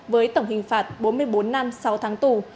với tổng hình phạt bốn mươi bốn năm sáu tháng tù